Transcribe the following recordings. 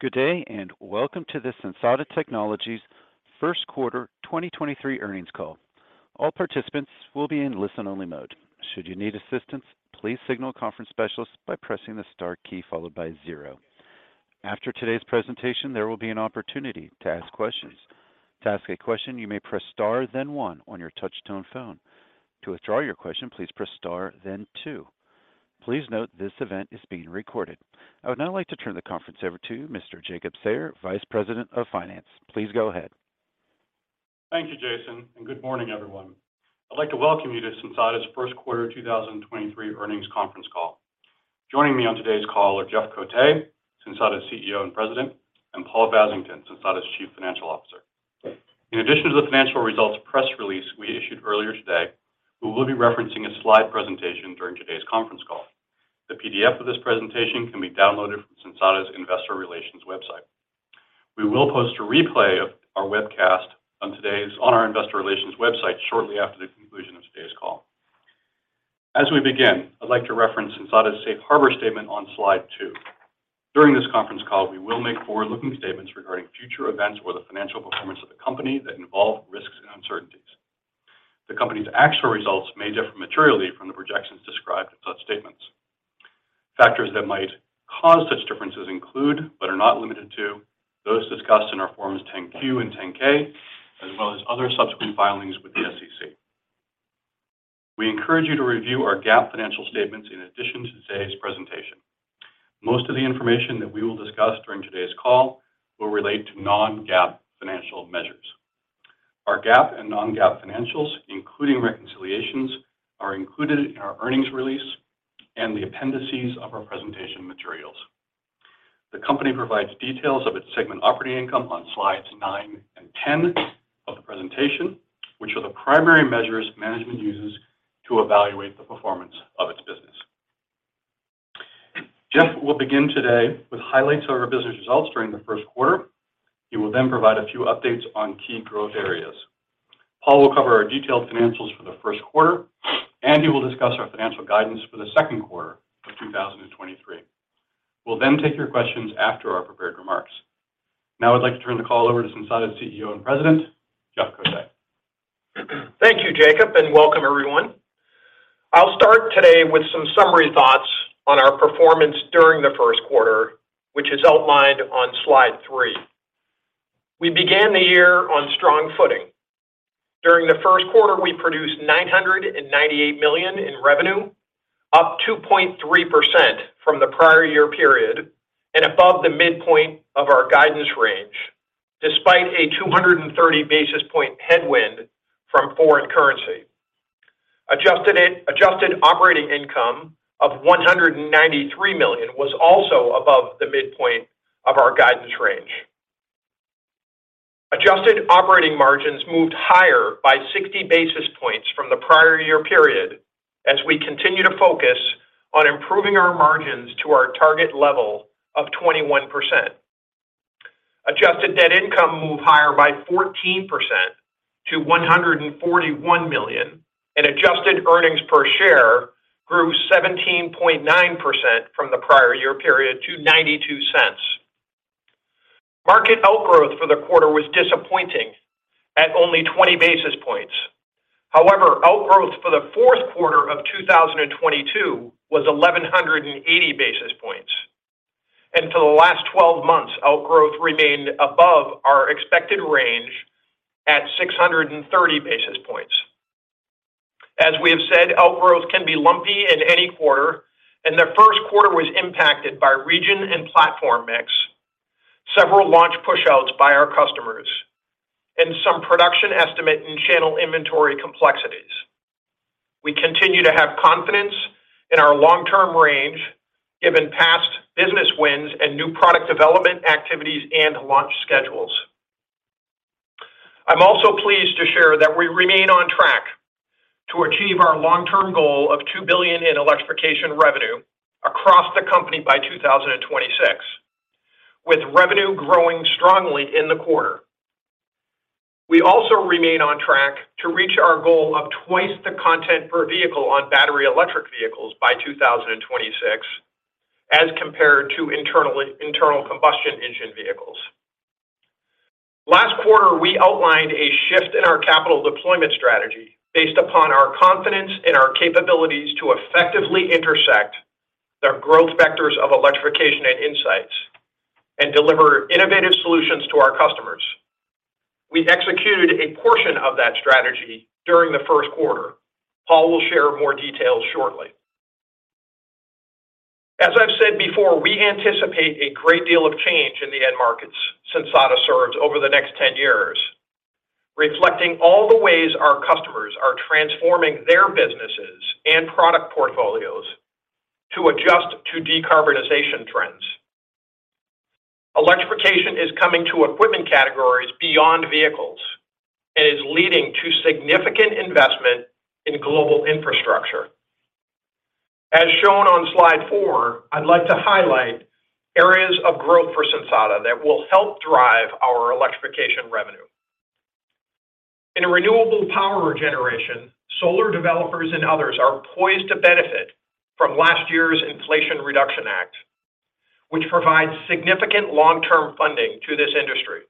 Good day, and welcome to the Sensata Technologies first quarter 2023 earnings call. All participants will be in listen-only mode. Should you need assistance, please signal a conference specialist by pressing the star key followed by zero. After today's presentation, there will be an opportunity to ask questions. To ask a question, you may press star then one on your touch-tone phone. To withdraw your question, please press star then two. Please note this event is being recorded. I would now like to turn the conference over to Mr. Jacob Sayer, Vice President of Finance. Please go ahead. Thank you, Jason, and good morning, everyone. I'd like to welcome you to Sensata's first quarter 2023 earnings conference call. Joining me on today's call are Jeff Cote, Sensata's CEO and President, and Paul Vasington, Sensata's Chief Financial Officer. In addition to the financial results press release we issued earlier today, we will be referencing a slide presentation during today's conference call. The PDF of this presentation can be downloaded from Sensata's investor relations website. We will post a replay of our webcast on our investor relations website shortly after the conclusion of today's call. As we begin, I'd like to reference Sensata's safe harbor statement on slide two. During this conference call, we will make forward-looking statements regarding future events or the financial performance of the company that involve risks and uncertainties. The company's actual results may differ materially from the projections described in such statements. Factors that might cause such differences include, but are not limited to, those discussed in our forms Form 10-Q and Form 10-K, as well as other subsequent filings with the SEC. We encourage you to review our GAAP financial statements in addition to today's presentation. Most of the information that we will discuss during today's call will relate to non-GAAP financial measures. Our GAAP and non-GAAP financials, including reconciliations, are included in our earnings release and the appendices of our presentation materials. The company provides details of its segment operating income on slides nine and 10 of the presentation, which are the primary measures management uses to evaluate the performance of its business. Jeff will begin today with highlights of our business results during the first quarter. He will then provide a few updates on key growth areas. Paul will cover our detailed financials for the first quarter, and he will discuss our financial guidance for the second quarter of 2023. We'll then take your questions after our prepared remarks. Now I'd like to turn the call over to Sensata's CEO and President, Jeff Cote. Thank you, Jacob, and welcome everyone. I'll start today with some summary thoughts on our performance during the first quarter, which is outlined on slide three. We began the year on strong footing. During the first quarter, we produced $998 million in revenue, up 2.3% from the prior year period and above the midpoint of our guidance range, despite a 230 basis point headwind from foreign currency. Adjusted operating income of $193 million was also above the midpoint of our guidance range. Adjusted operating margins moved higher by 60 basis points from the prior year period as we continue to focus on improving our margins to our target level of 21%. Adjusted net income moved higher by 14% to $141 million. Adjusted earnings per share grew 17.9% from the prior year period to $0.92. Market outgrowth for the quarter was disappointing at only 20 basis points. However, outgrowth for the fourth quarter of 2022 was 1,180 basis points. For the last 12 months, outgrowth remained above our expected range at 630 basis points. As we have said, outgrowth can be lumpy in any quarter, and the first quarter was impacted by region and platform mix, several launch pushouts by our customers, and some production estimate and channel inventory complexities. We continue to have confidence in our long-term range, given past business wins and new product development activities and launch schedules. I'm also pleased to share that we remain on track to achieve our long-term goal of $2 billion in electrification revenue across the company by 2026, with revenue growing strongly in the quarter. We also remain on track to reach our goal of twice the content per vehicle on battery electric vehicles by 2026 as compared to internal combustion engine vehicles. Last quarter, we outlined a shift in our capital deployment strategy based upon our confidence in our capabilities to effectively intersect the growth vectors of electrification and Insights and deliver innovative solutions to our customers. We executed a portion of that strategy during the first quarter. Paul will share more details shortly. As I've said before, we anticipate a great deal of change in the end markets Sensata serves over the next 10 years, reflecting all the ways our customers are transforming their businesses and product portfolios to adjust to decarbonization trends. Electrification is coming to equipment categories beyond vehicles and is leading to significant investment in global infrastructure. As shown on slide four, I'd like to highlight areas of growth for Sensata that will help drive our electrification revenue. In renewable power generation, solar developers and others are poised to benefit from last year's Inflation Reduction Act, which provides significant long-term funding to this industry.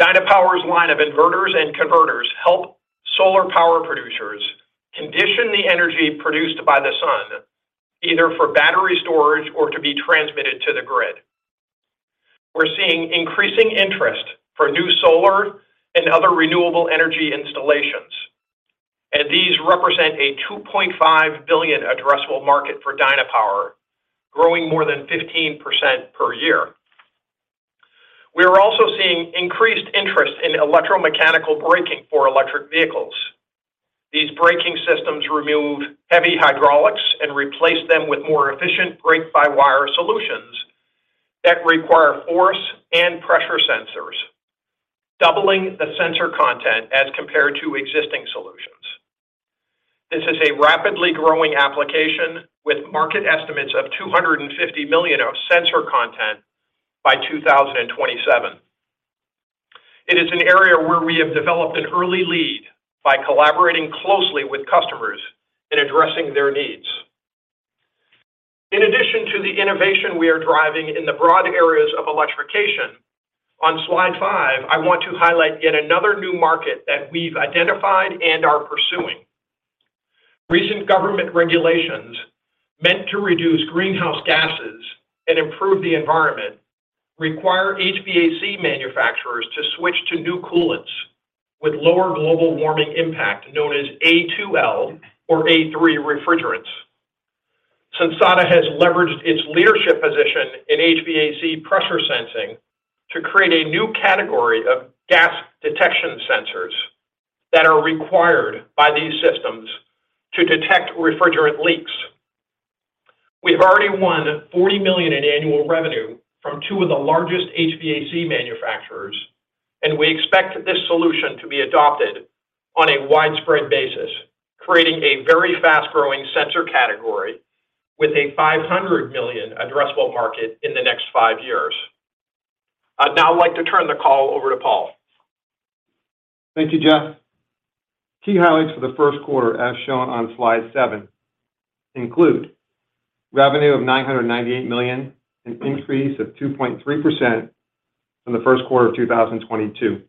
Dynapower's line of inverters and converters help solar power producers condition the energy produced by the sun, either for battery storage or to be transmitted to the grid. We're seeing increasing interest for new solar and other renewable energy installations. These represent a $2.5 billion addressable market for Dynapower, growing more than 15% per year. We are also seeing increased interest in electromechanical braking for electric vehicles. These braking systems remove heavy hydraulics and replace them with more efficient brake-by-wire solutions that require force and pressure sensors, doubling the sensor content as compared to existing solutions. This is a rapidly growing application with market estimates of $250 million of sensor content by 2027. It is an area where we have developed an early lead by collaborating closely with customers in addressing their needs. In addition to the innovation we are driving in the broad areas of electrification, on slide five, I want to highlight yet another new market that we've identified and are pursuing. Recent government regulations meant to reduce greenhouse gases and improve the environment require HVAC manufacturers to switch to new coolants with lower global warming impact, known as A2L or A3 refrigerants. Sensata has leveraged its leadership position in HVAC pressure sensing to create a new category of gas detection sensors that are required by these systems to detect refrigerant leaks. We've already won $40 million in annual revenue from two of the largest HVAC manufacturers, and we expect this solution to be adopted on a widespread basis, creating a very fast-growing sensor category with a $500 million addressable market in the next five years. I'd now like to turn the call over to Paul. Thank you, Jeff. Key highlights for the first quarter, as shown on slide seven, include revenue of $998 million, an increase of 2.3% from the first quarter of 2022.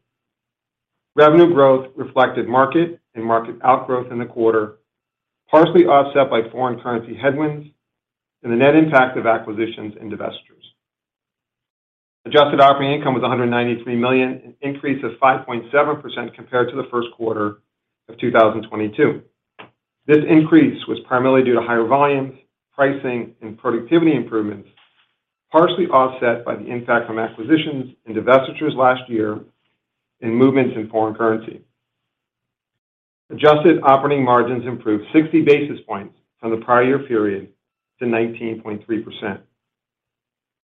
Revenue growth reflected market and market outgrowth in the quarter, partially offset by foreign currency headwinds and the net impact of acquisitions and divestitures. Adjusted operating income was $193 million, an increase of 5.7% compared to the first quarter of 2022. This increase was primarily due to higher volumes, pricing, and productivity improvements, partially offset by the impact from acquisitions and divestitures last year and movements in foreign currency. Adjusted operating margins improved 60 basis points from the prior year period to 19.3%.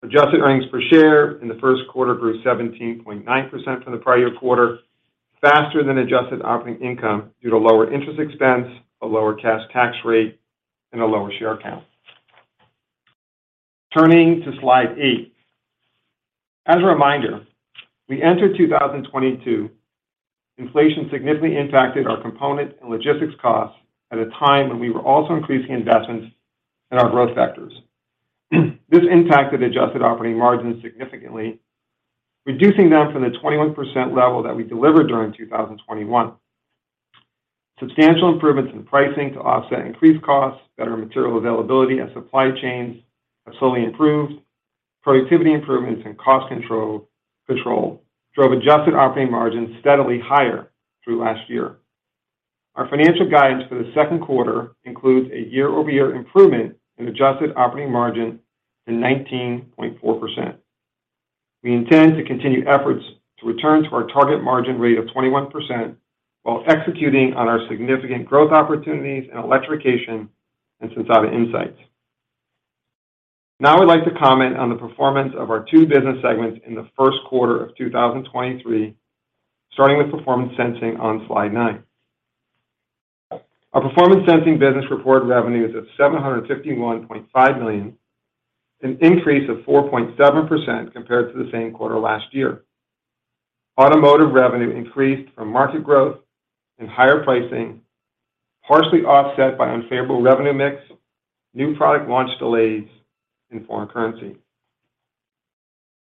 Adjusted EPS in the first quarter grew 17.9% from the prior year quarter, faster than adjusted operating income due to lower interest expense, a lower cash tax rate, and a lower share count. Turning to slide eight. As a reminder, we entered 2022, inflation significantly impacted our component and logistics costs at a time when we were also increasing investments in our growth factors. This impacted adjusted operating margins significantly, reducing them from the 21% level that we delivered during 2021. Substantial improvements in pricing to offset increased costs, better material availability, and supply chains have slowly improved. Productivity improvements and cost control drove adjusted operating margins steadily higher through last year. Our financial guidance for the second quarter includes a year-over-year improvement in adjusted operating margin to 19.4%. We intend to continue efforts to return to our target margin rate of 21% while executing on our significant growth opportunities in electrification and Sensata INSIGHTS. I'd like to comment on the performance of our two business segments in the first quarter of 2023, starting with Performance Sensing on slide nine. Our Performance Sensing business reported revenues of $751.5 million, an increase of 4.7% compared to the same quarter last year. Automotive revenue increased from market growth and higher pricing, partially offset by unfavorable revenue mix, new product launch delays, and foreign currency.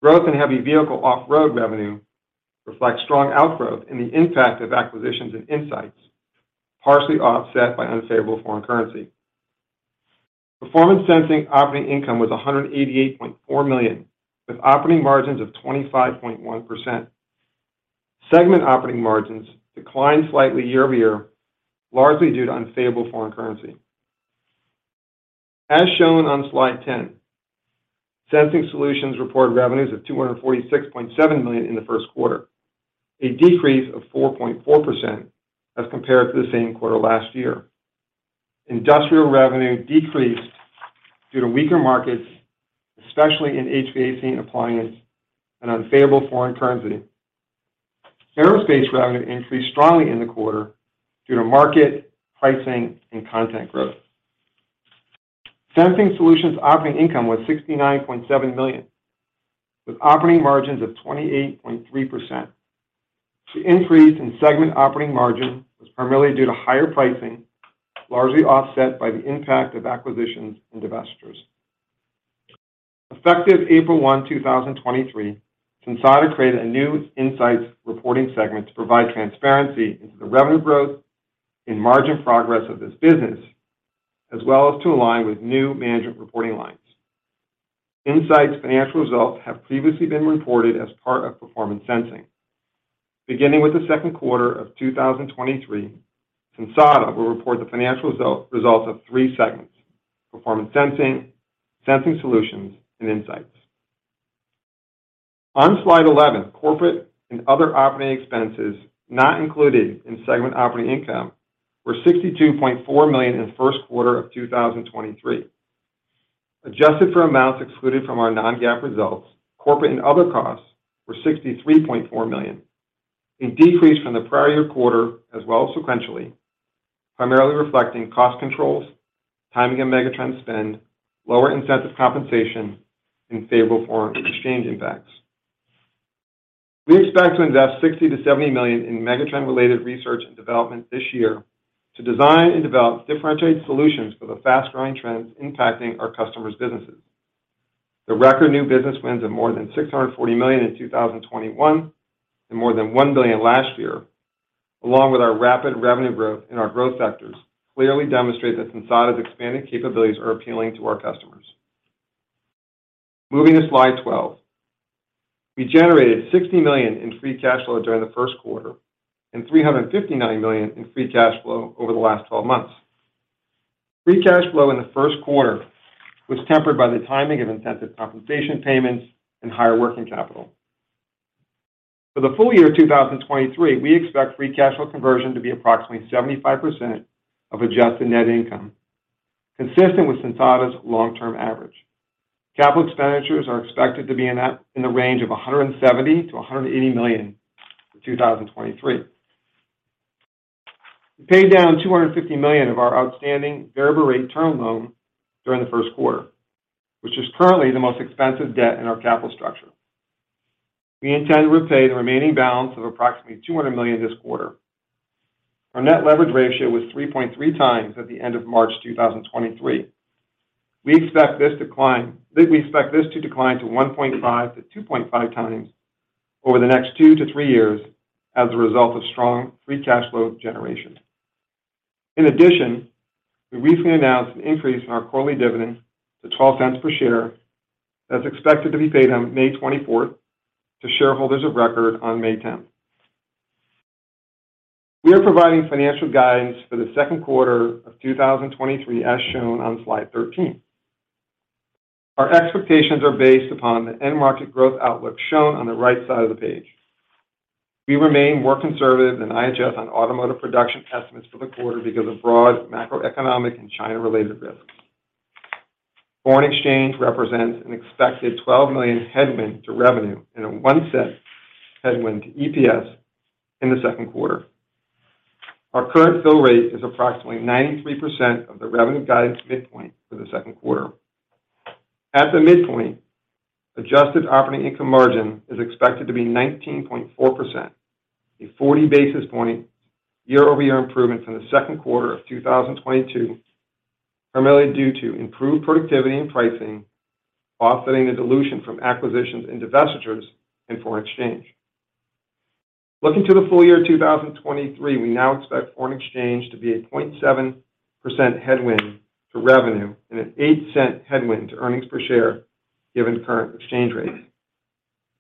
Growth in Heavy Vehicle & Off-Road revenue reflects strong outgrowth in the impact of acquisitions and INSIGHTS, partially offset by unfavorable foreign currency. Performance Sensing operating income was $188.4 million, with operating margins of 25.1%. Segment operating margins declined slightly year-over-year, largely due to unfavorable foreign currency. As shown on slide 10, Sensing Solutions reported revenues of $246.7 million in the first quarter, a decrease of 4.4% as compared to the same quarter last year. Industrial revenue decreased due to weaker markets, especially in HVAC and appliance, and unfavorable foreign currency. Aerospace revenue increased strongly in the quarter due to market, pricing, and content growth. Sensing Solutions operating income was $69.7 million, with operating margins of 28.3%. The increase in segment operating margin was primarily due to higher pricing, largely offset by the impact of acquisitions and divestitures. Effective April 1, 2023, Sensata created a new Insights reporting segment to provide transparency into the revenue growth and margin progress of this business, as well as to align with new management reporting lines. Insights financial results have previously been reported as part of Performance Sensing. Beginning with the second quarter of 2023, Sensata will report the financial results of three segments: Performance Sensing, Sensing Solutions, and Insights. On slide 11, corporate and other operating expenses not included in segment operating income were $62.4 million in the first quarter of 2023. Adjusted for amounts excluded from our non-GAAP results, corporate and other costs were $63.4 million, a decrease from the prior year quarter as well as sequentially, primarily reflecting cost controls, timing of Megatrend spend, lower incentive compensation, and favorable foreign exchange impacts. We expect to invest $60 million-$70 million in megatrend-related research and development this year to design and develop differentiated solutions for the fast-growing trends impacting our customers' businesses. The record new business wins of more than $640 million in 2021 and more than $1 billion last year, along with our rapid revenue growth in our growth sectors, clearly demonstrate that Sensata's expanding capabilities are appealing to our customers. Moving to slide 12. We generated $60 million in free cash flow during the first quarter and $359 million in free cash flow over the last 12 months. Free cash flow in the first quarter was tempered by the timing of incentive compensation payments and higher working capital. For the full year 2023, we expect free cash flow conversion to be approximately 75% of adjusted net income, consistent with Sensata's long-term average. Capital expenditures are expected to be in the range of $170 million-$180 million for 2023. We paid down $250 million of our outstanding variable rate term loan during the first quarter, which is currently the most expensive debt in our capital structure. We intend to repay the remaining balance of approximately $200 million this quarter. Our net leverage ratio was 3.3x at the end of March 2023. We expect this decline... We expect this to decline to 1.5-2.5x over the next two-three years as a result of strong free cash flow generation. We recently announced an increase in our quarterly dividend to $0.12 per share that's expected to be paid on May 24th to shareholders of record on May 10th. We are providing financial guidance for the 2Q 2023 as shown on slide 13. Our expectations are based upon the end market growth outlook shown on the right side of the page. We remain more conservative than IHS on automotive production estimates for the quarter because of broad macroeconomic and China-related risks. Foreign exchange represents an expected $12 million headwind to revenue and a $0.01 headwind to EPS in the 2Q. Our current fill rate is approximately 93% of the revenue guidance midpoint for the second quarter. At the midpoint, adjusted operating income margin is expected to be 19.4%, a 40 basis point year-over-year improvement from the second quarter of 2022, primarily due to improved productivity and pricing offsetting the dilution from acquisitions and divestitures in foreign exchange. Looking to the full year 2023, we now expect foreign exchange to be a 0.7% headwind to revenue and an $0.08 headwind to earnings per share given current exchange rates.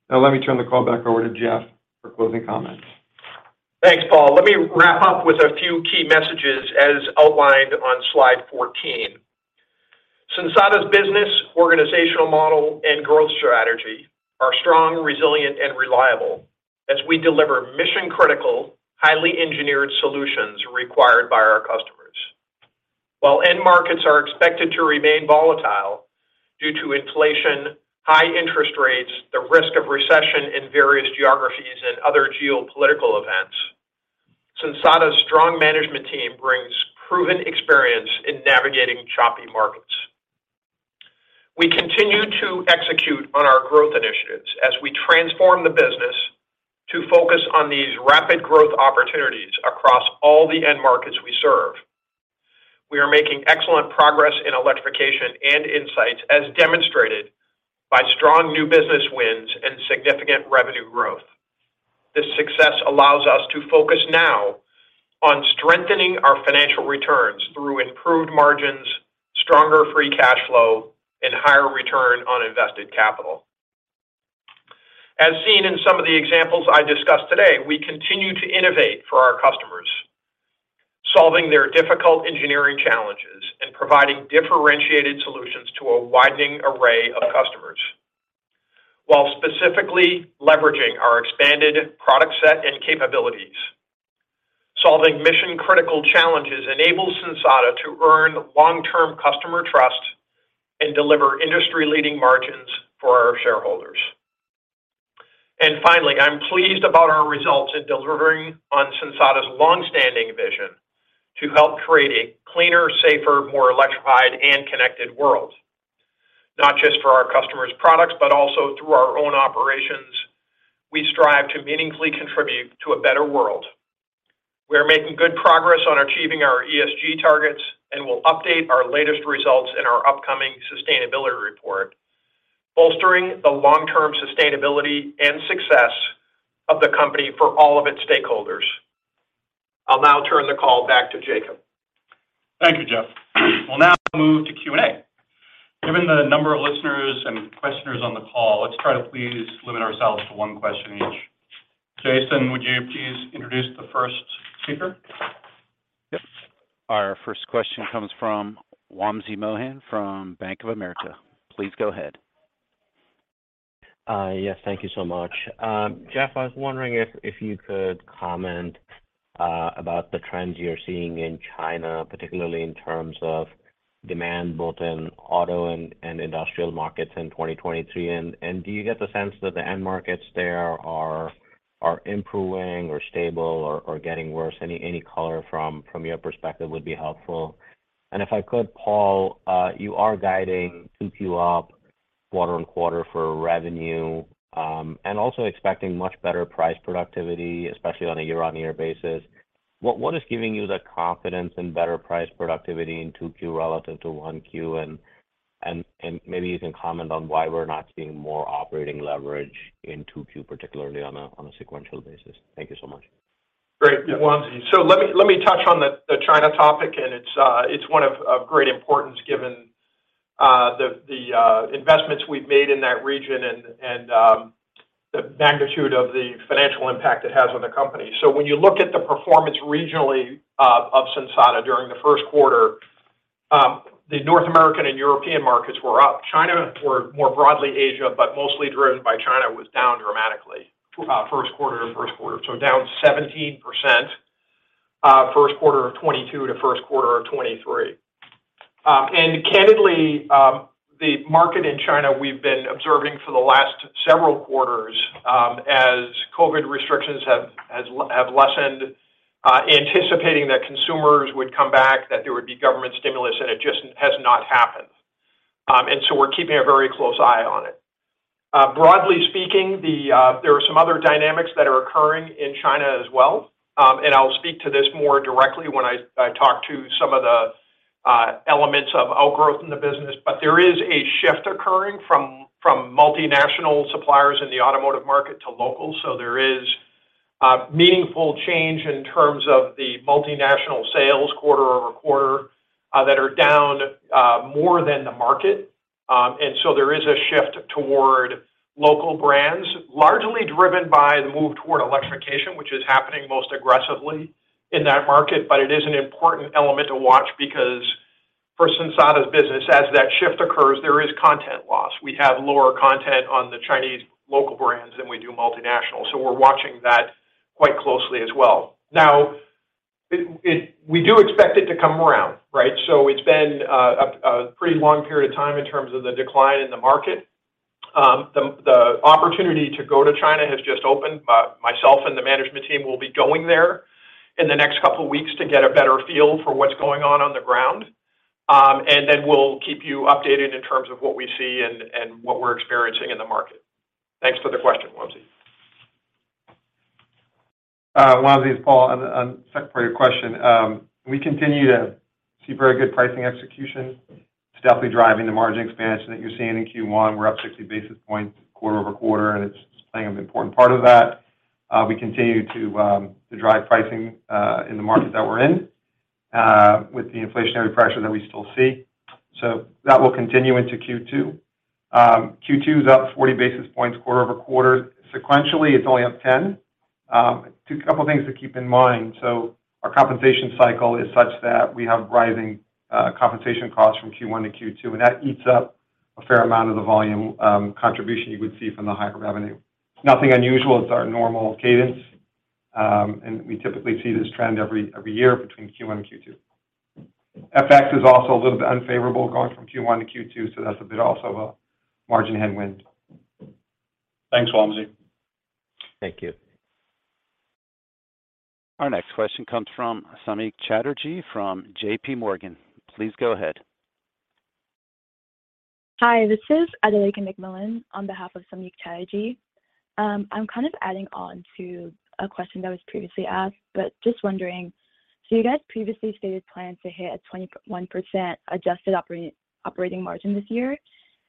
Now let me turn the call back over to Jeff for closing comments. Thanks, Paul. Let me wrap up with a few key messages as outlined on slide 14. Sensata's business, organizational model, and growth strategy are strong, resilient, and reliable as we deliver mission-critical, highly engineered solutions required by our customers. While end markets are expected to remain volatile due to inflation, high interest rates, the risk of recession in various geographies and other geopolitical events, Sensata's strong management team brings proven experience in navigating choppy markets. We continue to execute on our growth initiatives as we transform the business to focus on these rapid growth opportunities across all the end markets we serve. We are making excellent progress in electrification and INSIGHTS as demonstrated by strong new business wins and significant revenue growth. This success allows us to focus now on strengthening our financial returns through improved margins, stronger free cash flow, and higher return on invested capital. As seen in some of the examples I discussed today, we continue to innovate for our customers, solving their difficult engineering challenges and providing differentiated solutions to a widening array of customers while specifically leveraging our expanded product set and capabilities. Solving mission-critical challenges enables Sensata to earn long-term customer trust and deliver industry-leading margins for our shareholders. Finally, I'm pleased about our results in delivering on Sensata's long-standing vision to help create a cleaner, safer, more electrified and connected world. Not just for our customers' products, but also through our own operations. We strive to meaningfully contribute to a better world. We are making good progress on achieving our ESG targets, and we'll update our latest results in our upcoming sustainability report, bolstering the long-term sustainability and success of the company for all of its stakeholders. I'll now turn the call back to Jacob. Thank you, Jeff. We'll now move to Q&A. Given the number of listeners and questioners on the call, let's try to please limit ourselves to one question each. Jason, would you please introduce the first speaker? Yep. Our first question comes from Wamsi Mohan from Bank of America. Please go ahead. Yes. Thank you so much. Jeff, I was wondering if you could comment about the trends you're seeing in China, particularly in terms of demand both in auto and industrial markets in 2023. Do you get the sense that the end markets there are improving, or stable, or getting worse? Any color from your perspective would be helpful. If I could, Paul, you are guiding 2Q up quarter-on-quarter for revenue, and also expecting much better price productivity, especially on a year-on-year basis. What is giving you the confidence in better price productivity in 2Q relative to 1Q? Maybe you can comment on why we're not seeing more operating leverage in 2Q, particularly on a sequential basis. Thank you so much. Great. Wamsi. Let me, let me touch on the China topic, and it's one of great importance given the investments we've made in that region and the magnitude of the financial impact it has on the company. When you look at the performance regionally of Sensata during the first quarter, the North American and European markets were up. China, or more broadly Asia, but mostly driven by China, was down dramatically, first quarter to first quarter. Down 17%, first quarter of 2022 to first quarter of 2023. And candidly, the market in China we've been observing for the last several quarters, as COVID restrictions have lessened, anticipating that consumers would come back, that there would be government stimulus, and it just has not happened. We're keeping a very close eye on it. Broadly speaking, the, there are some other dynamics that are occurring in China as well. I'll speak to this more directly when I talk to some of the, elements of outgrowth in the business. There is a shift occurring from multinational suppliers in the automotive market to local. There is a meaningful change in terms of the multinational sales quarter-over-quarter, that are down, more than the market. There is a shift toward local brands, largely driven by the move toward electrification, which is happening most aggressively in that market. It is an important element to watch because for Sensata's business, as that shift occurs, there is content loss. We have lower content on the Chinese local brands than we do multinational. We're watching that quite closely as well. We do expect it to come around, right? It's been a pretty long period of time in terms of the decline in the market. The opportunity to go to China has just opened. Myself and the management team will be going there in the next couple of weeks to get a better feel for what's going on on the ground. We'll keep you updated in terms of what we see and what we're experiencing in the market. Thanks for the question, Wamsi. Wamsi, it's Paul. On the second part of your question, we continue to see very good pricing execution. It's definitely driving the margin expansion that you're seeing in Q1. We're up 60 basis points quarter-over-quarter, and it's playing an important part of that. We continue to drive pricing in the markets that we're in with the inflationary pressure that we still see. That will continue into Q2. Q2 is up 40 basis points quarter-over-quarter. Sequentially, it's only up 10. Two couple things to keep in mind. Our compensation cycle is such that we have rising compensation costs from Q1 to Q2, and that eats up a fair amount of the volume contribution you would see from the higher revenue. Nothing unusual, it's our normal cadence. We typically see this trend every year between Q1 and Q2. FX is also a little bit unfavorable going from Q1 to Q2, so that's a bit also a margin headwind. Thanks, Wamsi. Thank you. Our next question comes from Samik Chatterjee from J.P. Morgan. Please go ahead. Hi. This is [Emily] on behalf of Samik Chatterjee. I'm kind of adding on to a question that was previously asked, but just wondering. You guys' previously stated plan to hit a 21% adjusted operating margin this year.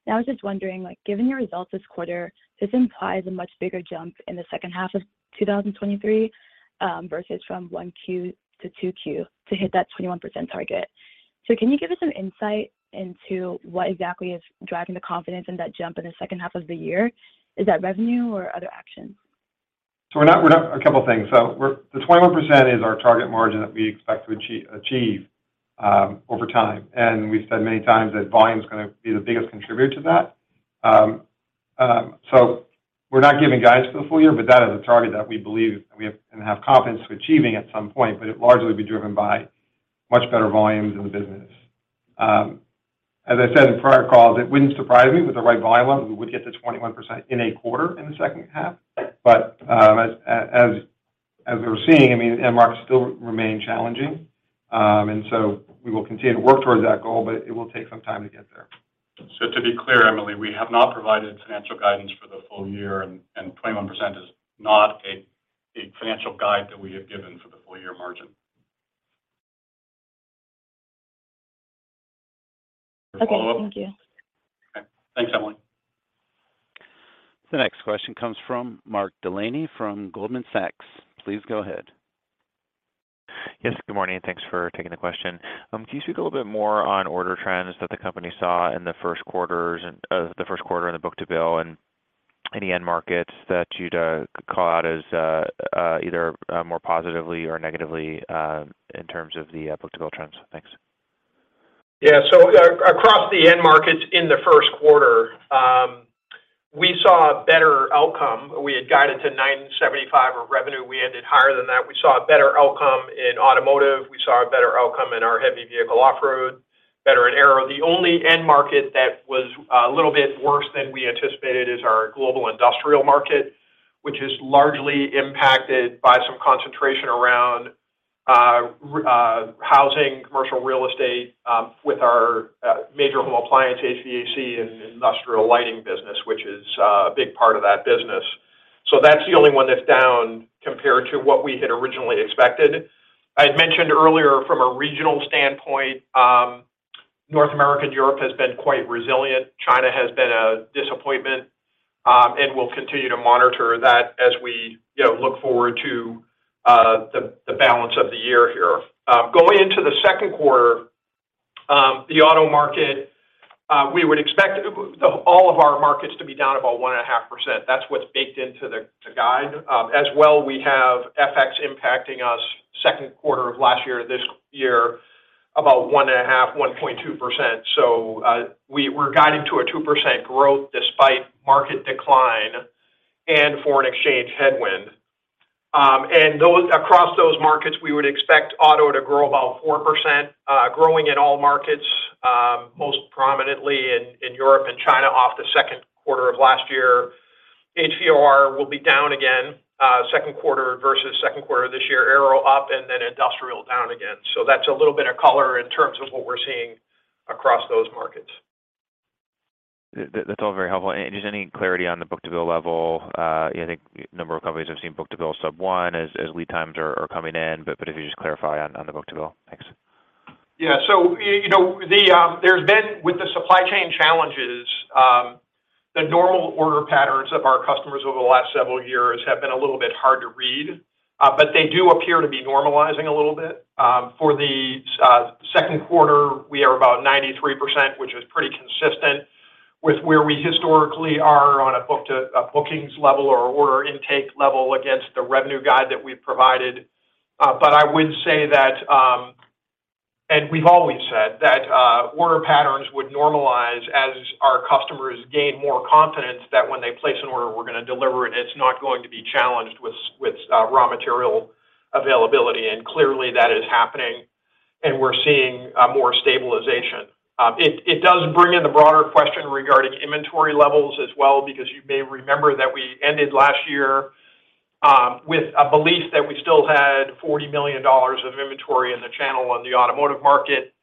I was just wondering, like, given your results this quarter, this implies a much bigger jump in the second half of 2023, versus from 1Q to 2Q to hit that 21% target. Can you give us some insight into what exactly is driving the confidence in that jump in the second half of the year? Is that revenue or other actions? We're not... A couple things. The 21% is our target margin that we expect to achieve over time. We've said many times that volume's gonna be the biggest contributor to that. We're not giving guidance for the full year, but that is a target that we believe we have and have confidence achieving at some point, but it largely will be driven by much better volumes in the business. As I said in prior calls, it wouldn't surprise me with the right volume, we would get to 21% in a quarter in the second half. As we're seeing, I mean, end markets still remain challenging. We will continue to work towards that goal, but it will take some time to get there. To be clear, Emily, we have not provided financial guidance for the full year, and 21% is not a financial guide that we have given for the full year margin. Okay. Thank you. Okay. Thanks, Emily. The next question comes from Mark Delaney from Goldman Sachs. Please go ahead. Good morning, thanks for taking the question. Can you speak a little bit more on order trends that the company saw in the first quarter in the book-to-bill and any end markets that you'd call out as either more positively or negatively in terms of the book-to-bill trends? Thanks. Across the end markets in the first quarter, we saw a better outcome. We had guided to $975 of revenue. We ended higher than that. We saw a better outcome in automotive. We saw a better outcome in our Heavy Vehicle Off-Road, better in Aero. The only end market that was a little bit worse than we anticipated is our global industrial market, which is largely impacted by some concentration around housing, commercial real estate, with our major home appliance, HVAC, and industrial lighting business, which is a big part of that business. That's the only one that's down compared to what we had originally expected. I had mentioned earlier from a regional standpoint, North America and Europe has been quite resilient. China has been a disappointment, and we'll continue to monitor that as we, you know, look forward to the balance of the year here. Going into the second quarter, the auto market, we would expect all of our markets to be down about 1.5%. That's what's baked into the guide. As well, we have FX impacting us second quarter of last year, this year about 1.5%, 1.2%. We're guiding to a 2% growth despite market decline and foreign exchange headwind. Across those markets, we would expect auto to grow about 4%, growing in all markets, most prominently in Europe and China off the second quarter of last year. HVOR will be down again, second quarter versus second quarter this year, Aero up and then industrial down again. That's a little bit of color in terms of what we're seeing across those markets. That's all very helpful. Just any clarity on the book-to-bill level? I think a number of companies have seen book-to-bill sub one as lead times are coming in, but if you just clarify on the book-to-bill. Thanks. Yeah. You know, there's been with the supply chain challenges, the normal order patterns of our customers over the last several years have been a little bit hard to read, but they do appear to be normalizing a little bit. For the second quarter, we are about 93%, which is pretty consistent with where we historically are on a book to a bookings level or order intake level against the revenue guide that we've provided. I would say that, and we've always said that, order patterns would normalize as our customers gain more confidence that when they place an order, we're gonna deliver it. It's not going to be challenged with raw material availability. Clearly that is happening, and we're seeing more stabilization. It, it does bring in the broader question regarding inventory levels as well, because you may remember that we ended last year with a belief that we still had $40 million of inventory in the channel on the automotive market.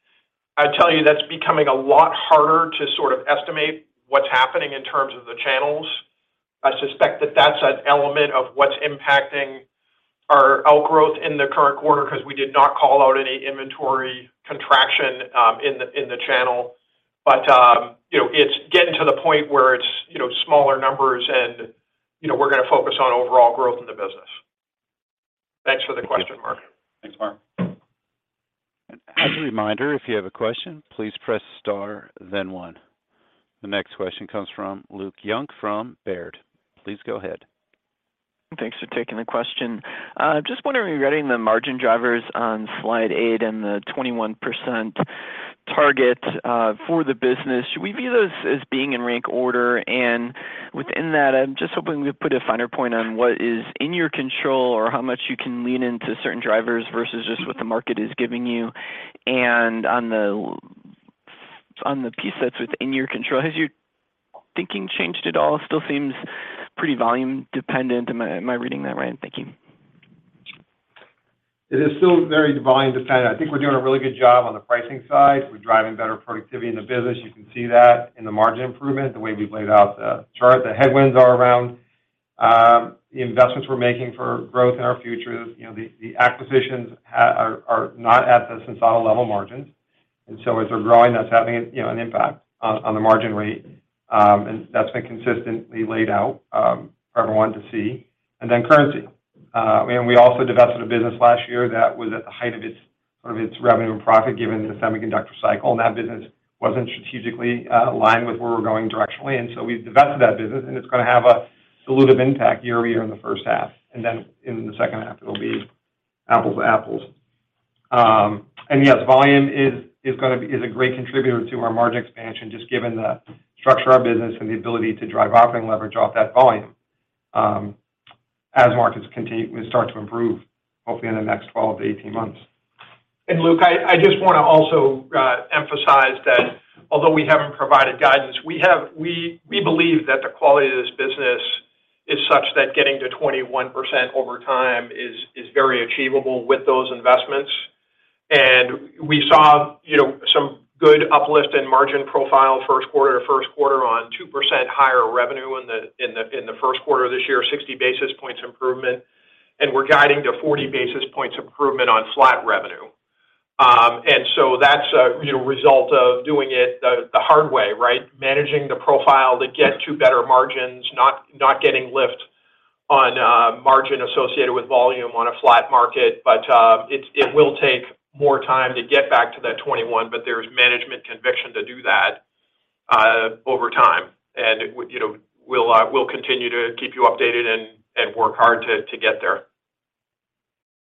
I'd tell you that's becoming a lot harder to sort of estimate what's happening in terms of the channels. I suspect that that's an element of what's impacting our outgrowth in the current quarter because we did not call out any inventory contraction in the, in the channel. You know, it's getting to the point where it's, you know, smaller numbers and, you know, we're gonna focus on overall growth in the business. Thanks for the question, Mark. Thanks, Mark. As a reminder, if you have a question, please press Star, then one. The next question comes from Luke Junk from Baird. Please go ahead. Thanks for taking the question. Just wondering regarding the margin drivers on slide eight and the 21% target for the business. Should we view those as being in rank order? Within that, I'm just hoping we put a finer point on what is in your control or how much you can lean into certain drivers versus just what the market is giving you. On the piece that's within your control, has your thinking changed at all? Still seems pretty volume dependent. Am I reading that right? Thank you. It is still very volume dependent. I think we're doing a really good job on the pricing side. We're driving better productivity in the business. You can see that in the margin improvement, the way we've laid out the chart. The headwinds are around the investments we're making for growth in our futures. You know, the acquisitions are not at the Sensata level margins. As they're growing, that's having an, you know, an impact on the margin rate. That's been consistently laid out for everyone to see. Currency. We also divested a business last year that was at the height of its, sort of its revenue and profit given the semiconductor cycle, and that business wasn't strategically aligned with where we're going directionally. We've divested that business, and it's gonna have a dilutive impact year-over-year in the first half. Then in the second half, it'll be apples to apples. Yes, volume is gonna be a great contributor to our margin expansion, just given the structure of our business and the ability to drive operating leverage off that volume. Markets continue and start to improve, hopefully in the next 12 to 18 months. Luke, I just wanna also emphasize that although we haven't provided guidance, we believe that the quality of this business is such that getting to 21% over time is very achievable with those investments. We saw, you know, some good uplift in margin profile first quarter to first quarter on 2% higher revenue in the first quarter of this year, 60 basis points improvement. We're guiding to 40 basis points improvement on flat revenue. That's a, you know, result of doing it the hard way, right? Managing the profile to get to better margins, not getting lift on margin associated with volume on a flat market. It will take more time to get back to that 21, but there's management conviction to do that over time. It would, you know, we'll continue to keep you updated and work hard to get there.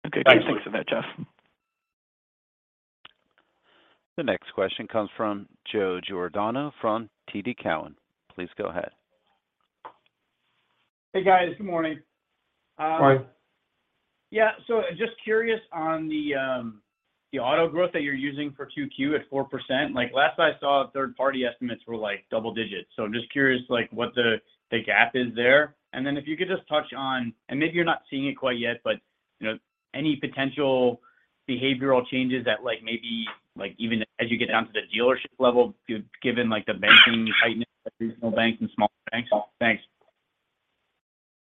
Okay. Thanks for that, Jeff. The next question comes from Joe Giordano from TD Cowen. Please go ahead. Hey, guys. Good morning. Morning. Just curious on the auto growth that you're using for 2Q at 4%. Like, last I saw, third party estimates were, like, double digits. Just curious, like, what the gap is there. Then if you could just touch on, and maybe you're not seeing it quite yet, but, you know, any potential behavioral changes that, like, maybe, even as you get down to the dealership level given, like, the banking tightness at regional banks and small banks. Thanks.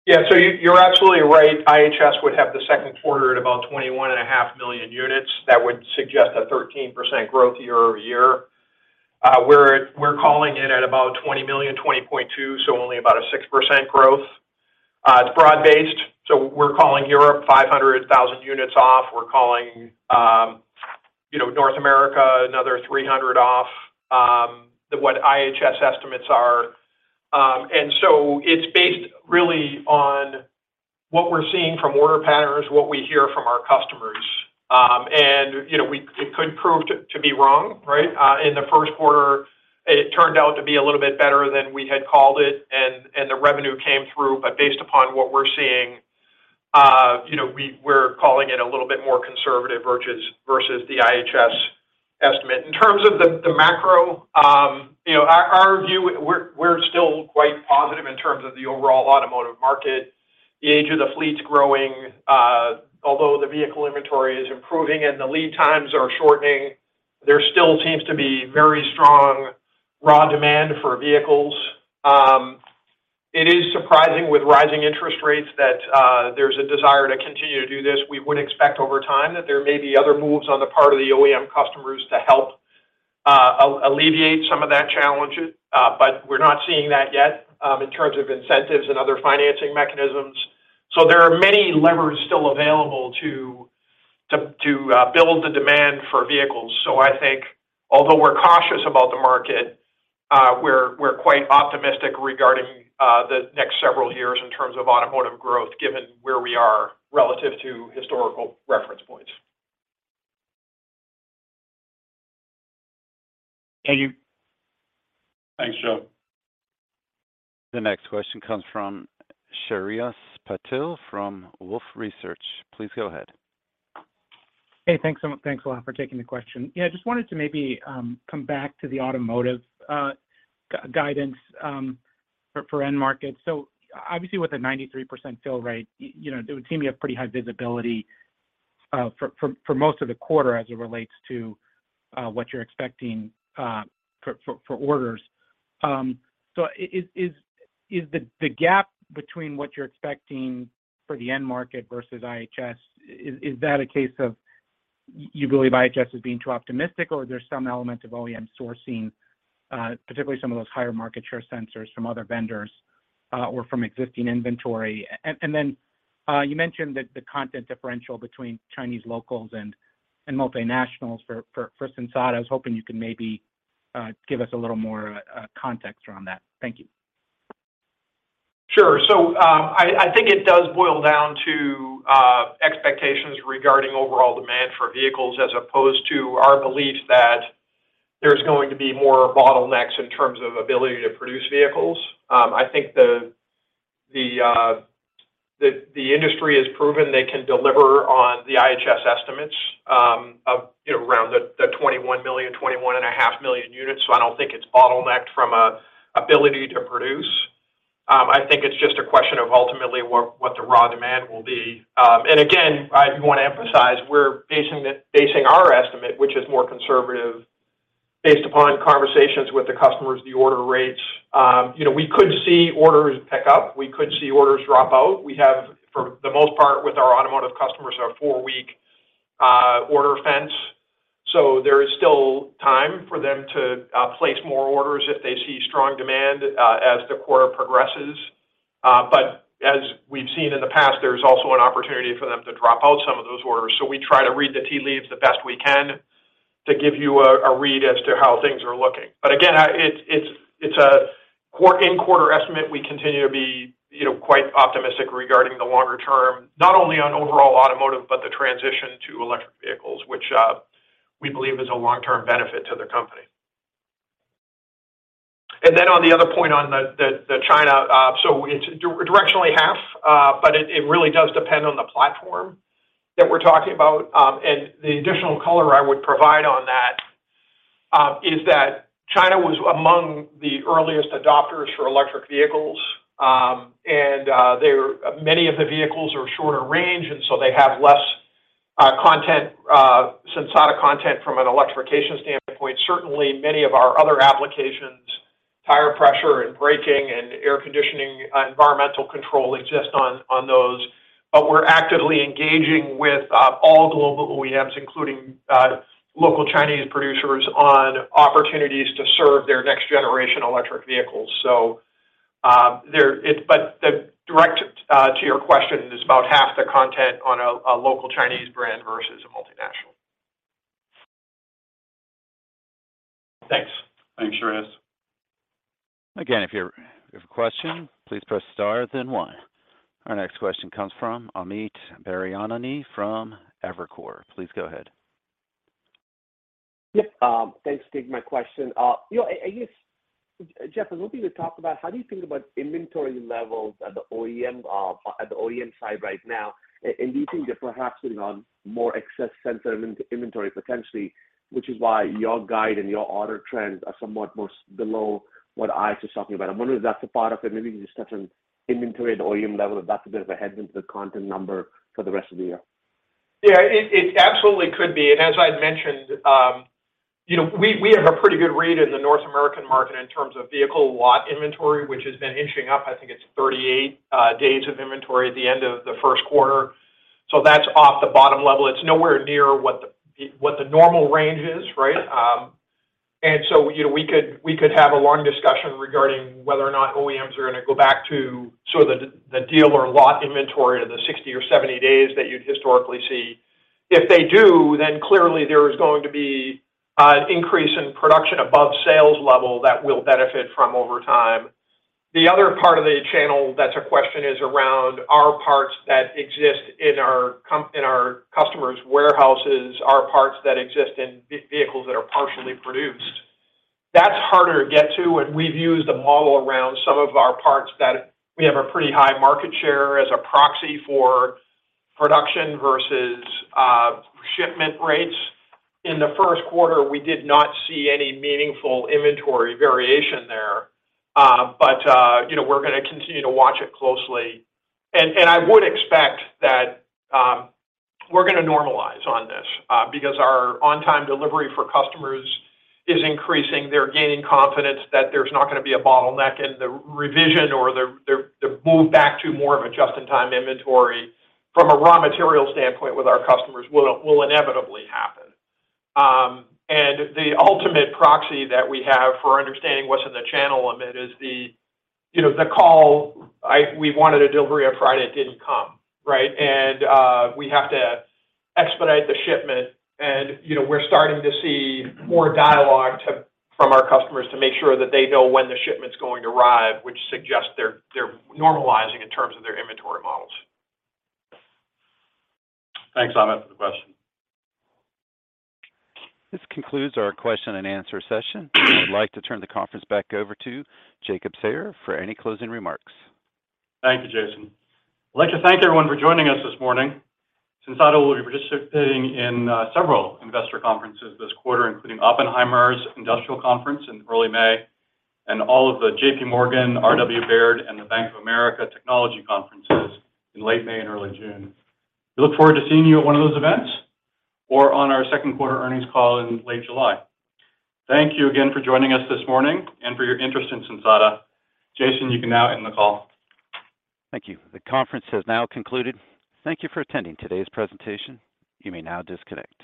Yeah. You're absolutely right. IHS would have the second quarter at about 21.5 million units. That would suggest a 13% growth year-over-year. We're calling it at about 20 million, 20.2, only about a 6% growth. It's broad-based, we're calling Europe 500,000 units off. We're calling, you know, North America another 300 off than what IHS estimates are. It's based really on what we're seeing from order patterns, what we hear from our customers. You know, it could prove to be wrong, right? In the first quarter it turned out to be a little bit better than we had called it, and the revenue came through. Based upon what we're seeing, you know, we're calling it a little bit more conservative versus the IHS estimate. In terms of the macro, you know, our view, we're still quite positive in terms of the overall automotive market. The age of the fleet's growing. Although the vehicle inventory is improving and the lead times are shortening, there still seems to be very strong raw demand for vehicles. It is surprising with rising interest rates that there's a desire to continue to do this. We would expect over time that there may be other moves on the part of the OEM customers to help alleviate some of that challenges. We're not seeing that yet in terms of incentives and other financing mechanisms. There are many levers still available to build the demand for vehicles. I think although we're cautious about the market, we're quite optimistic regarding the next several years in terms of automotive growth, given where we are relative to historical reference points. Thank you. Thanks, Joe. The next question comes from Shreyas Patil from Wolfe Research. Please go ahead. Thanks a lot for taking the question. Just wanted to maybe come back to the automotive guidance for end markets. Obviously, with a 93% fill rate, you know, it would seem you have pretty high visibility for most of the quarter as it relates to what you're expecting for orders. Is the gap between what you're expecting for the end market versus IHS, is that a case of you believe IHS as being too optimistic, or there's some element of OEM sourcing, particularly some of those higher market share sensors from other vendors or from existing inventory? Then you mentioned the content differential between Chinese locals and multinationals for Sensata. I was hoping you could maybe give us a little more context around that. Thank you. Sure. I think it does boil down to expectations regarding overall demand for vehicles as opposed to our belief that there's going to be more bottlenecks in terms of ability to produce vehicles. I think the industry has proven they can deliver on the IHS estimates, around the 21 million, 21.5 million units, so I don't think it's bottlenecked from an ability to produce. I think it's just a question of ultimately what the raw demand will be. Again, I want to emphasize, we're basing our estimate, which is more conservative, based upon conversations with the customers, the order rates. We could see orders pick up. We could see orders drop out. We have, for the most part with our automotive customers, a four-week order fence. There is still time for them to place more orders if they see strong demand as the quarter progresses. As we've seen in the past, there's also an opportunity for them to drop out some of those orders. We try to read the tea leaves the best we can to give you a read as to how things are looking. Again, it's a quarter-in-quarter estimate. We continue to be, you know, quite optimistic regarding the longer term, not only on overall automotive, but the transition to electric vehicles, which we believe is a long-term benefit to the company. Then on the other point on China, so it's directionally half, but it really does depend on the platform that we're talking about. The additional color I would provide on that is that China was among the earliest adopters for electric vehicles, and many of the vehicles are shorter range, and so they have less content, Sensata content from an electrification standpoint. Certainly, many of our other applications, tire pressure and braking and air conditioning, environmental control exists on those. We're actively engaging with all global OEMs, including local Chinese producers on opportunities to serve their next generation electric vehicles. The direct to your question is about half the content on a local Chinese brand versus a multinational. Thanks. Thanks, Shreyas. Again, if you if you have a question, please press star then one. Our next question comes from Amit Daryanani from Evercore. Please go ahead. Yep. Thanks. Take my question. You know, I guess, Jeff, I was hoping to talk about how do you think about inventory levels at the OEM, at the OEM side right now, and do you think they're perhaps sitting on more excess sensor inventory potentially, which is why your guide and your order trends are somewhat most below what I was just talking about? I'm wondering if that's a part of it. Maybe there's just such an inventory at the OEM level that's a bit of a headwind to the content number for the rest of the year. Yeah. It, it absolutely could be. As I'd mentioned, you know, we have a pretty good read in the North American market in terms of vehicle lot inventory, which has been inching up. I think it's 38 days of inventory at the end of the first quarter. That's off the bottom level. It's nowhere near what the normal range is, right? You know, we could, we could have a long discussion regarding whether or not OEMs are gonna go back to sort of the dealer lot inventory to the 60 or 70 days that you'd historically see. If they do, then clearly there is going to be an increase in production above sales level that we'll benefit from over time. The other part of the channel that's a question is around our parts that exist in our in our customers' warehouses, our parts that exist in vehicles that are partially produced. That's harder to get to, and we've used a model around some of our parts that we have a pretty high market share as a proxy for production versus shipment rates. In the first quarter, we did not see any meaningful inventory variation there. You know, we're gonna continue to watch it closely. I would expect that we're gonna normalize on this because our on-time delivery for customers is increasing. They're gaining confidence that there's not gonna be a bottleneck and the revision or the move back to more of a just-in-time inventory from a raw material standpoint with our customers will inevitably happen. The ultimate proxy that we have for understanding what's in the channel, Amit, is the, you know, the call we wanted a delivery on Friday, it didn't come, right? We have to expedite the shipment and, you know, we're starting to see more dialogue from our customers to make sure that they know when the shipment's going to arrive, which suggests they're normalizing in terms of their inventory models. Thanks, Amit, for the question. This concludes our question and answer session. I'd like to turn the conference back over to Jacob Sayer for any closing remarks. Thank you, Jason. I'd like to thank everyone for joining us this morning. Sensata will be participating in several investor conferences this quarter, including Oppenheimer's Industrial Conference in early May and all of the J.P. Morgan, R.W. Baird, and the Bank of America technology conferences in late May and early June. We look forward to seeing you at one of those events or on our second quarter earnings call in late July. Thank you again for joining us this morning and for your interest in Sensata. Jason, you can now end the call. Thank you. The conference has now concluded. Thank you for attending today's presentation. You may now disconnect.